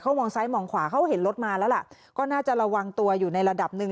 มองซ้ายมองขวาเขาเห็นรถมาแล้วล่ะก็น่าจะระวังตัวอยู่ในระดับหนึ่ง